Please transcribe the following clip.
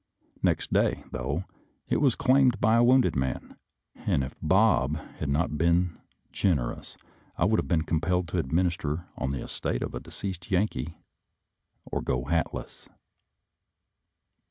Next day, though, it was claimed by a wounded man, and if Bob had not been generous I would have been compelled to administer on the estate of a deceased Yankee or go hatless.